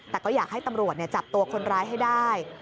แต่ก็อยากให้ตำรวจจับตัวคนร้ายให้ได้